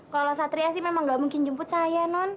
kalau satria sih memang nggak mungkin jemput saya non